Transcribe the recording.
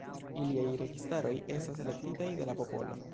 Iliaj registaroj estas elektitaj de la popolo.